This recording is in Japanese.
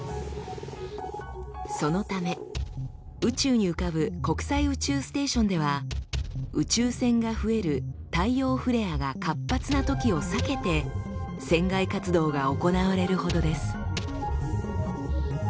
そのため宇宙に浮かぶ国際宇宙ステーションでは宇宙線が増える太陽フレアが活発なときを避けて船外活動が行われるほどです。